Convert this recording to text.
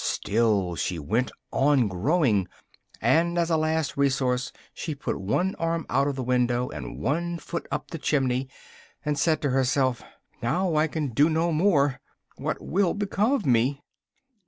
Still she went on growing, and as a last resource she put one arm out of the window, and one foot up the chimney, and said to herself "now I can do no more what will become of me?"